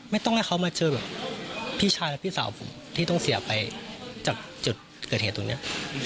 ไม่ต้องให้เขามาเจอแบบพี่ชายและพี่สาวผมที่ต้องเสียไปจากจุดเกิดเหตุตรงนี้